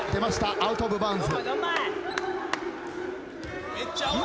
アウトオブバウンズ。